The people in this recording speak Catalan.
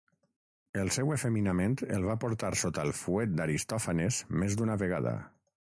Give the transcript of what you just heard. El seu efeminament el va portar sota el fuet d'Aristòfanes més d'una vegada.